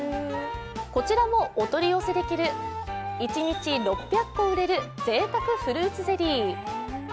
こちらもお取り寄せできる一日６００個売れるぜいたくフルーツゼリー。